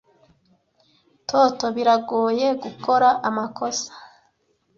Toto biragoye gukora amakosa.